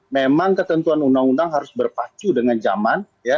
memang ketentuan uu harus berpacu dengan jadinya